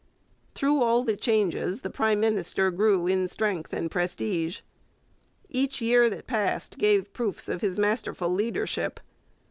Through all the changes the prime minister grew in strength and prestige. Each year that passed gave proofs of his masterful leadership.